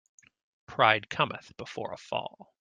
Pride cometh before a fall.